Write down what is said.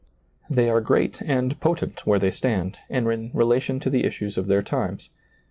They are great and potent where they stand and in relation to the issues of their times.